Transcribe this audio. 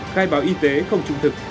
khai báo y tế không trung thực